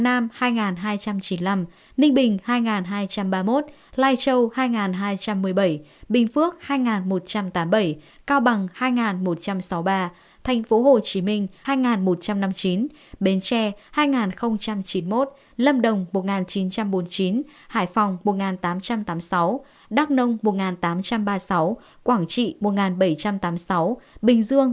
nam định hai bảy trăm hai mươi hai hà nam hai hai trăm chín mươi năm ninh bình hai hai trăm ba mươi một lai châu hai hai trăm một mươi bảy bình phước hai một trăm tám mươi bảy cao bằng hai một trăm sáu mươi ba thành phố hồ chí minh hai một trăm năm mươi chín bến tre hai chín mươi một lâm đồng một chín trăm bốn mươi chín hải phòng một tám trăm tám mươi sáu đắk nông một tám trăm ba mươi sáu quảng trị một bảy trăm tám mươi sáu bình dương một sáu trăm tám mươi chín